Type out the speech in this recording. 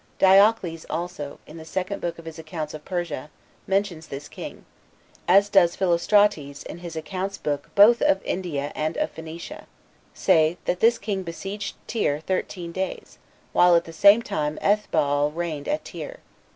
Diocles also, in the second book of his Accounts of Persia, mentions this king; as does Philostrates in his Accounts both of India and of Phoenicia, say, that this king besieged Tyre thirteen years, while at the same time Ethbaal reigned at Tyre.